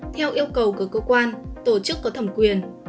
theo yêu cầu của cơ quan tổ chức có thẩm quyền